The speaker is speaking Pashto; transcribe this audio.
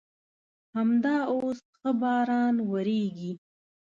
همدا اوس ښه باران ورېږي.